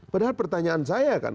padahal pertanyaan saya kan